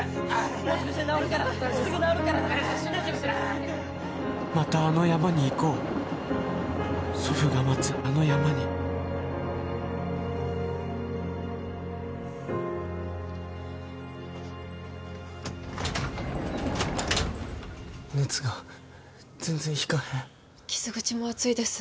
もう少しで治るからすぐ治るからまたあの山に行こう祖父が待つあの山に熱が全然ひかへん傷口も熱いです